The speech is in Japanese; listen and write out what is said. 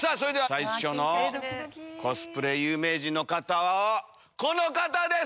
最初のコスプレ有名人の方この方です！